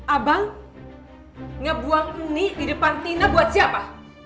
abang ngebuang mie di depan tina buat siapa